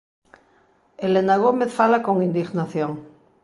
Helena Gómez fala con indignación.